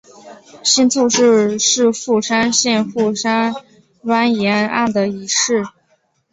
新凑市是富山县富山湾沿岸的一市。